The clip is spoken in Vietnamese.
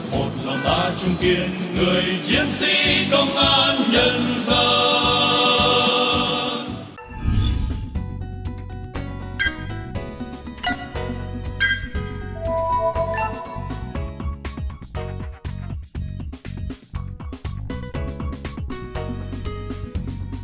một lòng ta chung kiến người chiến sĩ công an nhân dân